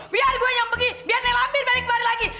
biar gue yang pergi biar nelampir balik kembali lagi